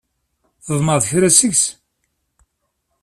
Tḍemɛeḍ kra seg-s?